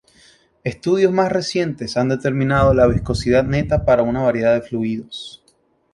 Estudios más recientes han determinado la viscosidad neta para una variedad de fluidos..